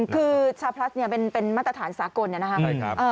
คือชาพลัสเนี่ยเป็นมาตรฐานสากลเนี่ยนะครับ